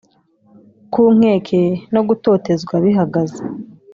ku nkeke no gutotezwa bihagaze